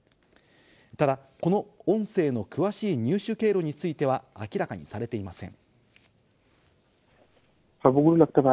ただ、この音声の詳しい入手経路については明らかにされていません。